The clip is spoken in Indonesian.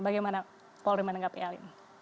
bagaimana polri menanggapi hal ini